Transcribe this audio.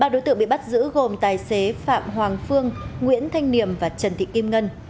ba đối tượng bị bắt giữ gồm tài xế phạm hoàng phương nguyễn thanh niềm và trần thị kim ngân